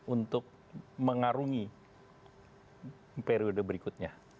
untuk mengarungi periode berikutnya